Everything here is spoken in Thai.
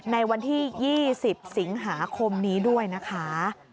ในวันที่๒๐สิงหาคมนี้ด้วยนะคะ